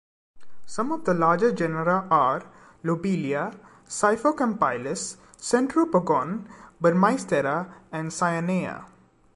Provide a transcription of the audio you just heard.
Some of the larger genera are "Lobelia", "Siphocampylus", "Centropogon", "Burmeistera" and "Cyanea".